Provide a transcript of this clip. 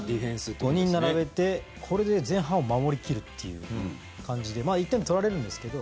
５人並べて、これで前半を守り切るという感じで１点取られるんですけど